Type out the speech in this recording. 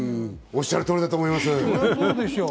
おっしゃる通りだと思います。